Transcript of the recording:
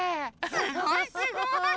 すごいすごい。